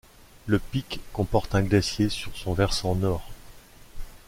Le pic comporte un glacier sur son versant nord.